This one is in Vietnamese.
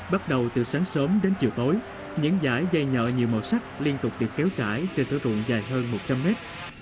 bắt đầu từ sáng sớm đến chiều tối những dải dây nhợ nhiều màu sắc liên tục được kéo trải trên thửa ruộng dài hơn một trăm linh mét